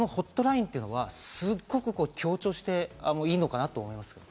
そのホットラインというのは、すごく強調していいのかなと思い